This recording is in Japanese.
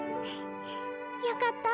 よかった。